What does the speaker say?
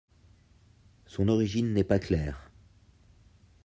Son origine n’est pas claire.